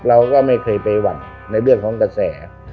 เราก็ไม่เคยไปหวั่นในเรื่องของกระแส